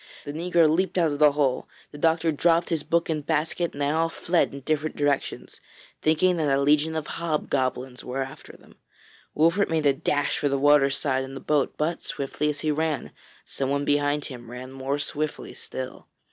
The negro leaped out of the hole, the doctor dropped his book and basket, and they all fled in different directions, thinking that a legion of hobgoblins were after them. Wolfert made a dash for the water side and the boat, but, swiftly as he ran, someone behind him ran more swiftly still.